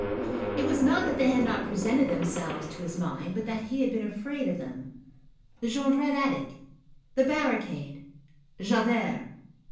It was not that they had not presented themselves to his mind, but that he had been afraid of them. The Jondrette attic? The barricade? Javert?